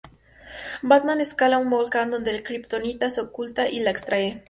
Batman escala un volcán donde el Kriptonita se oculta y la extrae.